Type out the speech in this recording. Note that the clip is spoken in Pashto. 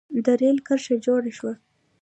د رېل کرښه جوړه شوه.